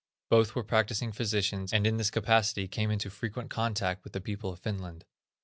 Both were practicing physicians, and in this capacity came into frequent contact with the people of Finland.